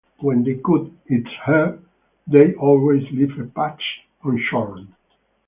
When they cut its hair, they always leave a patch unshorn.